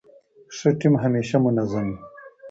ښه ټیم همېشه منظم يي.